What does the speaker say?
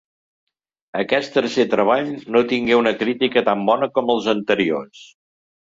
Aquest tercer treball no tingué una crítica tan bona com els anteriors.